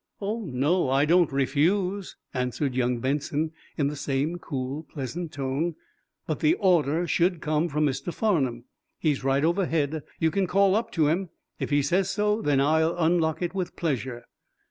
"Oh, no; I don't refuse," answered young Benson, in the same cool, pleasant tone. "But the order should come from Mr. Farnum. He's right overhead. You can call up to him. If he says so, then I'll unlock it with pleasure."